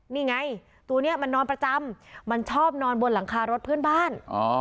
นี่ไงตัวนี้มันนอนประจำมันชอบนอนบนหลังคารถเพื่อนบ้าน